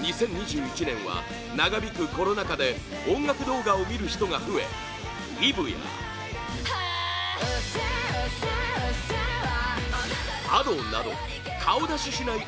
２０２１年は長引くコロナ禍で音楽動画を見る人が増えＥｖｅやＡｄｏなど顔出ししない